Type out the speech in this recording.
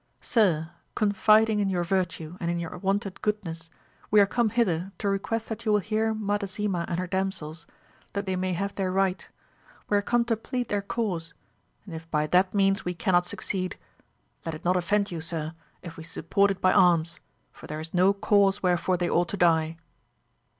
Sir, confiding in your virtue and in your wonted goodness, we are come hither to request that you will hear Mada sima and her damsels, that they may have their right; we are come to plead their cause, and if by that means we cannot succeed, let it not offend you, sir, if we support it by arms, for there is no cause wherefore they ought to die.